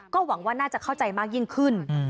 หวังว่าน่าจะเข้าใจมากยิ่งขึ้น